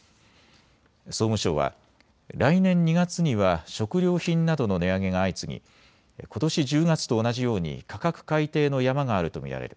総務省は来年２月には食料品などの値上げが相次ぎことし１０月と同じように価格改定の山があると見られる。